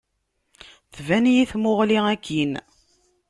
Tban-iyi tmuɣli akkin.